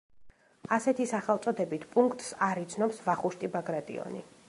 ასეთი სახელწოდებით პუნქტს არ იცნობს ვახუშტი ბაგრატიონი.